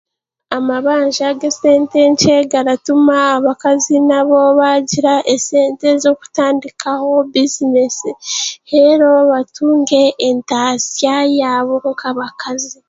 Amabanja g'esente nkye garatuma abakazi nabo baagira esente z'okutandikaho bizinesi reero batunge entaasya yaabo nk'abakazi.